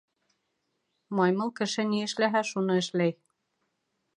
Маймыл, кеше ни эшләһә, шуны эшләй.